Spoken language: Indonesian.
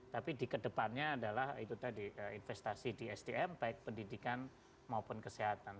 tapi di kedepannya adalah itu tadi investasi di sdm baik pendidikan maupun kesehatan